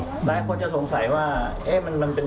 บค่ะหลายคนจะสงสัยว่ามันเป็นเหตุ